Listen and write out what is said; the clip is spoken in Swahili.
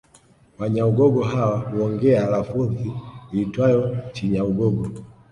Wanyaugogo hawa huongea lafudhi iitwayo Chinyaugogo